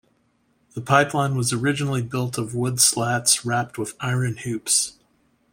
The pipeline was originally built of wood slats wrapped with iron hoops.